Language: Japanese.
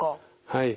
はい。